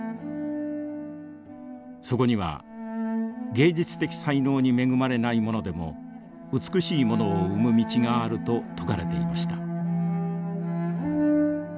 そこには芸術的才能に恵まれない者でも美しいものを生む道があると説かれていました。